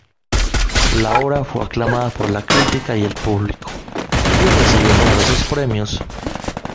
La obra fue aclamada por la crítica y el público, y recibió numerosos premios.